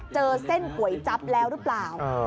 เจอเส้นหวยจับแล้วรึเปล่าเอ่อ